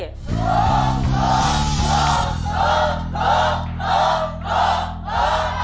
ถูก